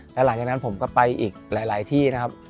แล้วหลังจากนั้นผมก็ไปอีกหลายที่นะครับ